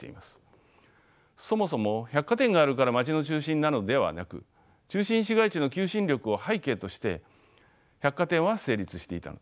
そもそも百貨店があるから街の中心なのではなく中心市街地の求心力を背景として百貨店は成立していたのです。